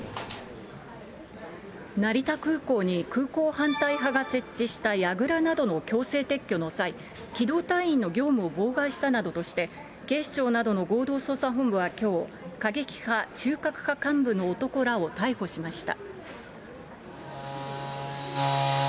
成田空港に空港反対派が設置した、やぐらなどの強制撤去の際、機動隊員の業務を妨害したなどとして、警視庁などの合同捜査本部はきょう、過激派中核派幹部の男らを逮捕しました。